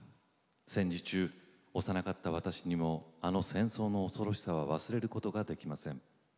戦時中幼かった私にもあの戦争の恐ろしさは忘れることができません。